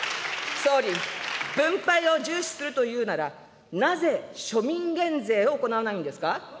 総理、分配を重視するというなら、なぜ庶民減税を行わないんですか。